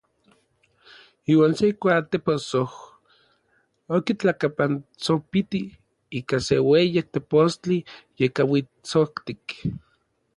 Iuan se kuatepossoj okitlakapantsopitij ika se ueyak tepostli yekauitsoktik.